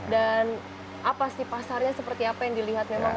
dan apa sih pasarnya seperti apa yang dilihat